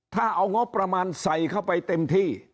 ถ้าเอางบประมาณใส่เข้าไปเต็มที่